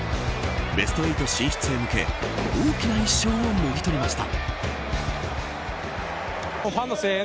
ベスト８進出へ向け大きな１勝をもぎ取りました。